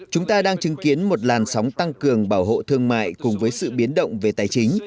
chúng ta đang chứng kiến một làn sóng tăng cường bảo hộ thương mại cùng với sự biến động về tài chính